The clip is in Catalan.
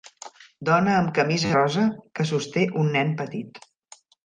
Dona amb camisa rosa que sosté un nen petit.